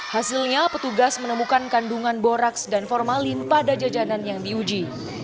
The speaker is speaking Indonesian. hasilnya petugas menemukan kandungan boraks dan formalin pada jajanan yang diuji